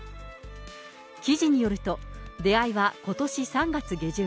記事によると、出会いはことし３月下旬。